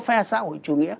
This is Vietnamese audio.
phe xã hội chủ nghĩa